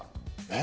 え？